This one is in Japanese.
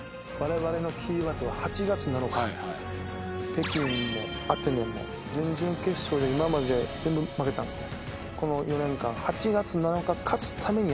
北京もアテネも準々決勝で今まで全部負けたんですね。